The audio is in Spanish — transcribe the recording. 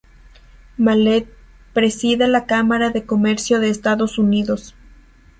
Malet preside la Cámara de Comercio de Estados Unidos.